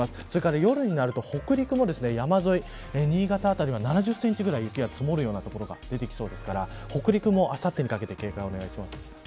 それから夜になると北陸も山沿い新潟辺りは７０センチぐらい雪が積もる所が出てきそうですから北陸もあさってにかけて警戒をお願いします。